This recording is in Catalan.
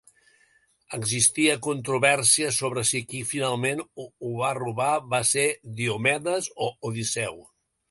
Existia controvèrsia sobre si qui finalment ho va robar va ser Diomedes o Odisseu.